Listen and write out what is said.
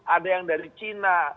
ada yang dari china